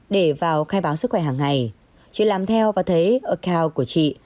để vào khai báo sức khỏe hàng ngày chị làm theo và thấy ocront của chị